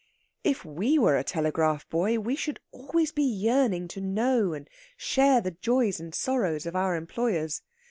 If we were a telegraph boy, we should always be yearning to know and share the joys and sorrows of our employers.